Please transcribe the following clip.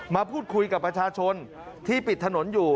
มาพูดคุยกับประชาชนที่ปิดถนนอยู่